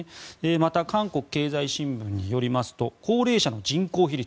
また、韓国経済新聞によりますと高齢者の人口比率。